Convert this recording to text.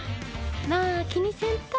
まあ気にせんと。